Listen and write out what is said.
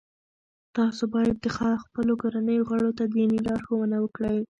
تاسو باید د خپلو کورنیو غړو ته دیني لارښوونه وکړئ.